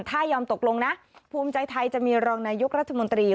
ถ้ายอมตกลงนะภูมิใจไทยจะมีรองนายกรัฐมนตรี